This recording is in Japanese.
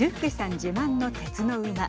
自慢の鉄の馬。